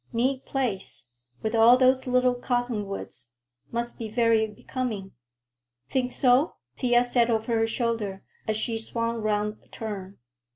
Neat place, with all those little cottonwoods. Must be very becoming." "Think so?" Thea said over her shoulder, as she swung round a turn.